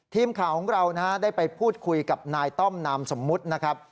ทีมข่าวของเราได้ไปพูดคุยกับนายต้อมนามสมมุตินะครับ